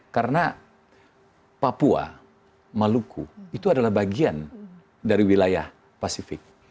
karena papua maluku itu adalah bagian dari wilayah pasifik